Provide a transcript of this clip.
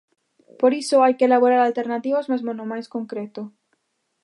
Por iso hai que elaborar alternativas, mesmo no máis concreto.